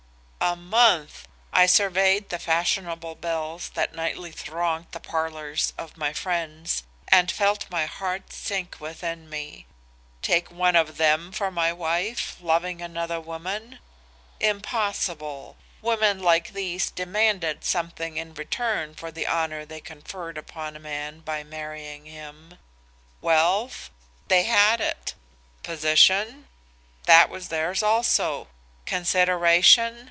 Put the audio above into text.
'" "A month! I surveyed the fashionable belles that nightly thronged the parlors of my friends and felt my heart sink within me. Take one of them for my wife, loving another woman? Impossible. Women like these demanded something in return for the honor they conferred upon a man by marrying him. Wealth? they had it. Position? that was theirs also. Consideration?